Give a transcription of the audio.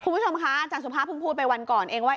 คุณผู้ชมคะอาจารย์สุภาพเพิ่งพูดไปวันก่อนเองว่า